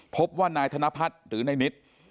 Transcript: พบว่านายธนพัฒน์หรือนายนิด